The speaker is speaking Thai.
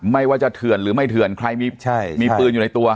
ไม่ว่าจะเถื่อนหรือไม่เถื่อนใครมีปืนอยู่ในตัว